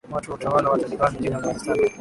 watu wa utawala wa taliban nchini afghanistan